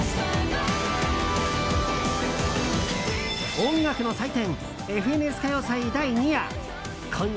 音楽の祭典「ＦＮＳ歌謡祭第２夜」。